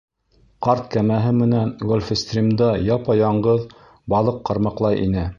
Ҡарт кәмәһе менән Гольфстримда япа-яңғыҙ балыҡ ҡармаҡлай ине.